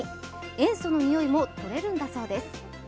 塩素のにおいもとれるんだそうです。